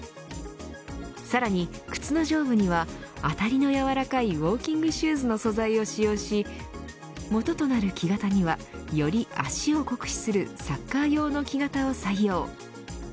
さらに靴の上部には当たりの柔らかいウオーキングシューズの素材を使用し元となる木型にはより足を酷使するサッカー用の木型を採用。